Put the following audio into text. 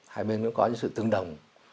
hai bên cũng có những sự tương đồng